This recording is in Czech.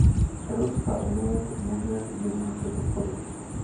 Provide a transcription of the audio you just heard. Evropská unie to může jednoduše podpořit.